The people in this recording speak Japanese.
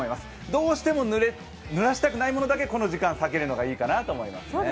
どうしてもぬらしたくないものだけ、この時間さけるのがいいかなと思います。